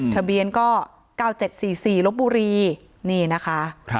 ทะเบียนก็๙๗๔๔ลบบุรีนี่นะคะ